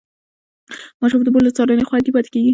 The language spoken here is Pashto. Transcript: ماشوم د مور له څارنې خوندي پاتې کېږي.